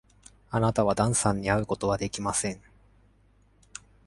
あなたはダンさんに会うことはできません。